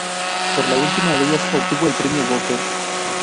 Por la última de ellas obtuvo el Premio Booker.